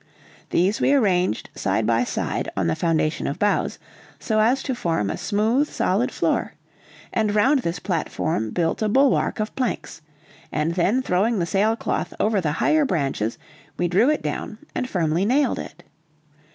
These we arranged side by side on the foundation of boughs, so as to form a smooth solid floor, and round this platform built a bulwark of planks, and then throwing the sailcloth over the higher branches, we drew it down and firmly nailed it.